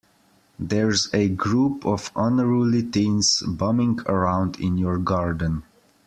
There's a group of unruly teens bumming around in your garden.